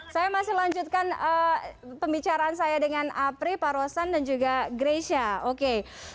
saya masih lanjutkan pembicaraan saya dengan apri pak rosan dan juga greysia oke